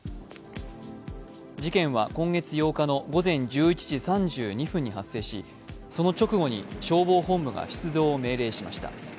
事件は今月８日の午前１１時３２分に発生しその直後に消防本部が出動を命令しました。